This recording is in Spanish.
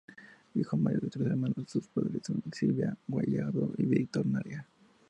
Hijo mayor de tres hermanos, sus padres son: Silvia Guajardo y Víctor Narea.